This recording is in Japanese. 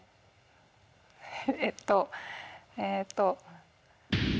えっとえっと。